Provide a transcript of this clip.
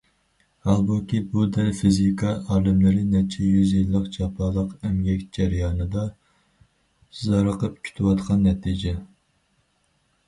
ھالبۇكى بۇ دەل فىزىكا ئالىملىرى نەچچە يۈز يىللىق جاپالىق ئەمگەك جەريانىدا زارىقىپ كۈتۈۋاتقان نەتىجە.